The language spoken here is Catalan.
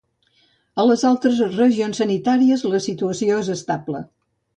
A les altres regions sanitàries la situació és estable.